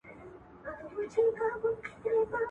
هغوی د پوهېدو مانا له شعره اخلي.